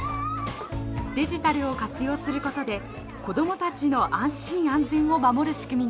デジタルを活用することで子どもたちの安心安全を守る仕組みなんです。